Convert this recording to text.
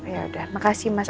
yaudah makasih mas